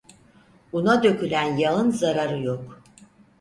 Una dökülen yağın zararı yok.